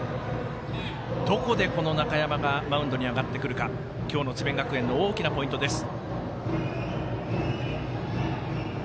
どこで、この中山がマウンドに上がってくるか今日の智弁学園の大きなポイントです。